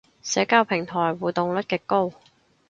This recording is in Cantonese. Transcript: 社交平台互動率極高